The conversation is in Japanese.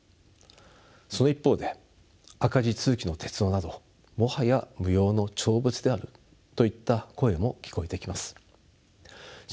その一方で赤字続きの鉄道などもはや無用の長物であるといった声も聞こえてきます。